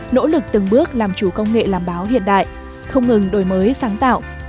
nỗ lực từng bước làm chủ công nghệ làm báo hiện đại không ngừng đổi mới sáng tạo